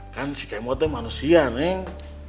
kan si kemotnya manusia neng